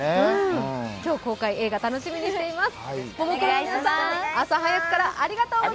今日公開の映画楽しみにしています。